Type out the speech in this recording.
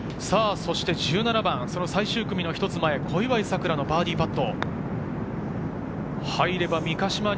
１７番、最終組の一つ前、小祝さくらのバーディーパット。